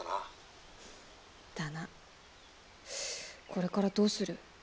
これからどうする？